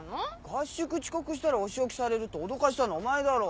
合宿遅刻したらお仕置きされるって脅かしたのお前だろ。